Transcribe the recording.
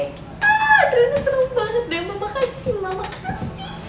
aaaa adriana terima kasih mama kasih